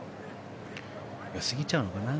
よすぎちゃうのかな。